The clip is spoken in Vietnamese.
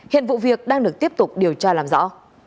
hiện vụ việc đang được tiếp tục điều tra làm rõ